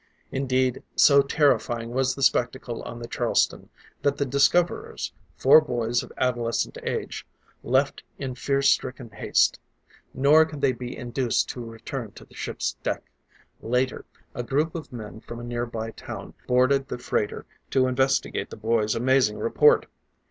Indeed, so terrifying was the spectacle on the Charleston, that the discoverers, four boys of adolescent age, left in fear stricken haste. Nor could they be induced to return to the ship's deck. Later, a group of men from a nearby town boarded the freighter to investigate the boys' amazing report.